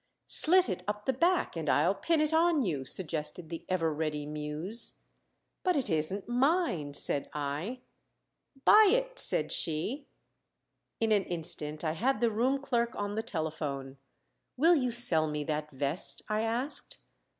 "Slit it up the back, and I'll pin it on you," suggested the ever ready Muse. "But it isn't mine," said I. "Buy it," said she. In an instant I had the room clerk on the telephone. "Will you sell me that vest?" I asked.